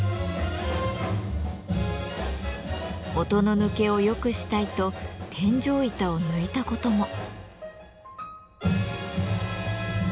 音の抜けを良くしたいと天井板を抜いたことも。